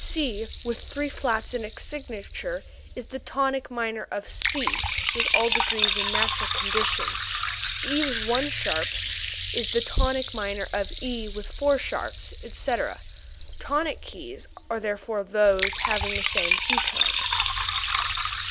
_, c with three flats in its signature is the tonic minor of C with all degrees in natural condition; e with one sharp is the tonic minor of E with four sharps, etc. Tonic keys are therefore those having the same key tone.